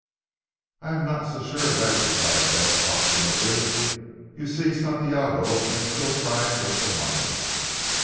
"I am not so sure of that," replied Bess obstinately, "you see Santiago may still try and get the money."